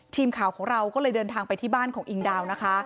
ทีมข่าวของเราก็เลยเดินทางไปที่บ้านของอิงดาวนะคะ